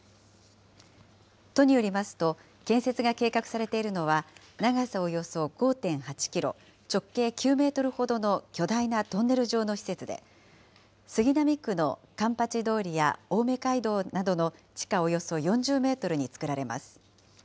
都によりますと、建設が計画されているのは、長さおよそ５．８キロ、直径９メートルほどの巨大なトンネル状の施設で、杉並区の環八通りや青梅街道などの地下およそ４０メートルに造られます。